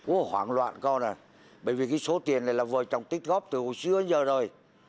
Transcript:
ủa hoảng loạn con à bởi vì cái số tiền này là vợ chồng tích góp từ hồi xưa đến giờ rồi